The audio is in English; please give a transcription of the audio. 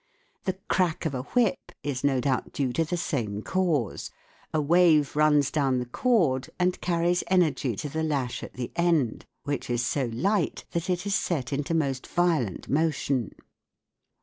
The crack of a whip is no doubt due to the same cause : a wave runs down the cord and carries energy to the lash at the end, which is so light that it is set into most violent motion.